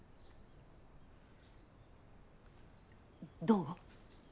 どう？